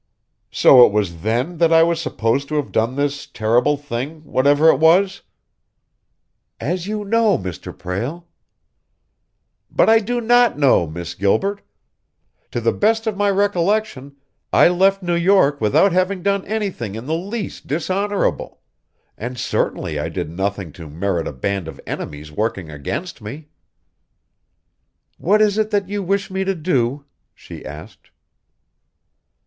"So it was then that I was supposed to have done this terrible thing whatever it was?" "As you know, Mr. Prale." "But I do not know, Miss Gilbert. To the best of my recollection I left New York without having done anything in the least dishonorable; and certainly I did nothing to merit a band of enemies working against me." "What is it that you wish me to do?" she asked.